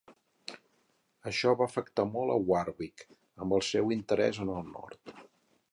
Això va afectar molt a Warwick, amb el seu interès en el nord.